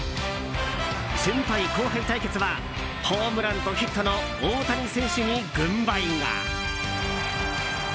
先輩、後輩対決はホームランとヒットの大谷選手に軍配が。